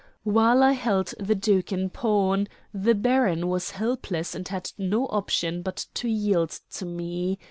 While I held the duke in pawn the baron was helpless and had no option but to yield to me.